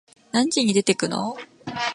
何時に出てくの？